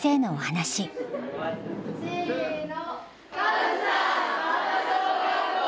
せの。